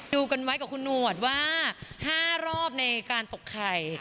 ดูกันไว้กับคุณหนวดว่า๕รอบในการตกไข่